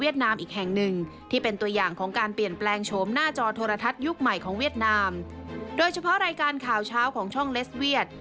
โดยเฉพาะรายการข่าวเช้าของช่องเลสเวียด